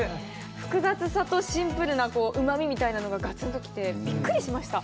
複雑さとシンプルなうまみみたいなのががつんときてびっくりしました